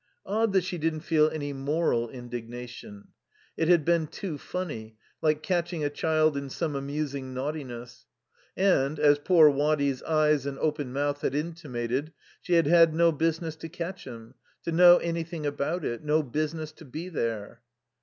Odd that she didn't feel any moral indignation. It had been too funny, like catching a child in some amusing naughtiness; and, as poor Waddy's eyes and open mouth had intimated, she had had no business to catch him, to know anything about it, no business to be there.